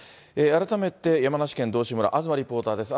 改めて山梨県道志村、東リポーターです。